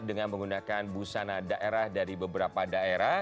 dengan menggunakan busana daerah dari beberapa daerah